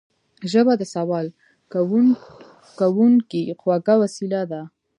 ژبه د سوال کوونکي خوږه وسيله ده